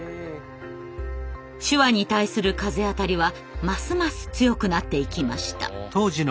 手話に対する風当たりはますます強くなっていきました。